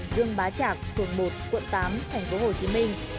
rương bá trạc phường một quận tám tp hcm